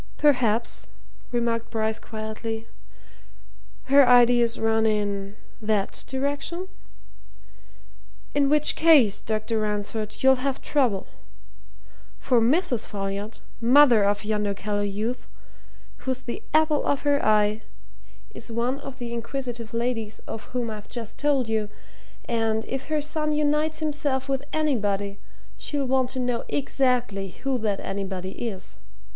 "Perhaps," remarked Bryce quietly, "her ideas run in that direction? In which case, Dr. Ransford, you'll have trouble. For Mrs. Folliot, mother of yonder callow youth, who's the apple of her eye, is one of the inquisitive ladies of whom I've just told you, and if her son unites himself with anybody, she'll want to know exactly who that anybody is.